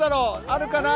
あるかな？